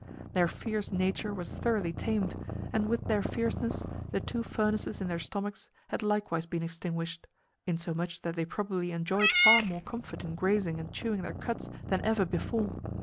Their fierce nature was thoroughly tamed; and with their fierceness, the two furnaces in their stomachs had likewise been extinguished, insomuch that they probably enjoyed far more comfort in grazing and chewing their cuds than ever before.